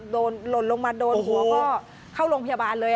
โดนโหโดนหัวก็เข้าโรงพยาบาลเลย